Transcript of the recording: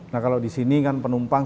nah kalau di sini kan penumpang